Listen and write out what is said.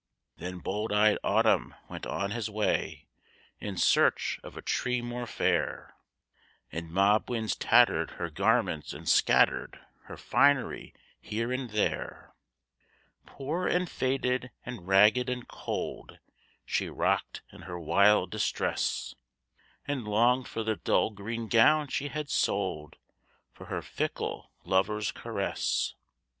Then bold eyed Autumn went on his way In search of a tree more fair; And mob winds tattered her garments and scattered Her finery here and there. Poor and faded and ragged and cold She rocked in her wild distress, And longed for the dull green gown she had sold For her fickle lover's caress.